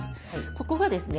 ここがですね